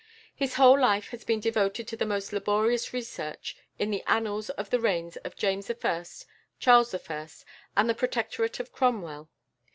His whole life has been devoted to the most laborious research in the annals of the reigns of James I., Charles I., and the Protectorate of Cromwell.